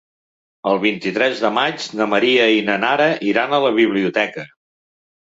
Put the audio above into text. El vint-i-tres de maig na Maria i na Nara iran a la biblioteca.